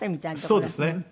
そうですね。